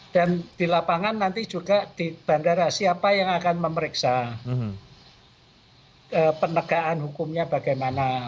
dan di lapangan nanti juga di bandara siapa yang akan memeriksa penegaan hukumnya bagaimana